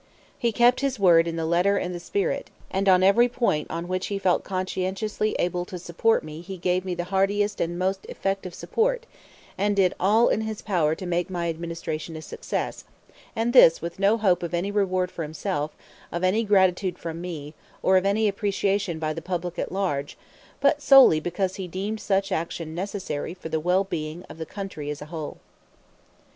He kept his word in the letter and the spirit, and on every point on which he felt conscientiously able to support me he gave me the heartiest and most effective support, and did all in his power to make my Administration a success; and this with no hope of any reward for himself, of any gratitude from me, or of any appreciation by the public at large, but solely because he deemed such action necessary for the well being of the country as a whole.